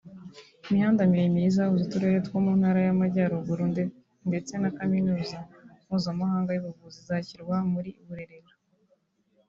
imihanda miremire izahuza uturere two mu Ntara y’Amajyaruguru ndetse na Kaminuza Mpuzamahanga y’Ubuvuzi izashyirwa muri Burerera